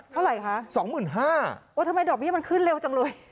เท่าไหร่คะสองหมื่นห้าโอ้ทำไมดอกเบี้ยมันขึ้นเร็วจังเลย